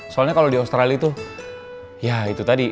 soalnya kalau di australia itu ya itu tadi